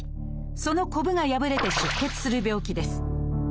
そのこぶが破れて出血する病気です。